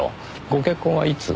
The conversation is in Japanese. ご結婚はいつ？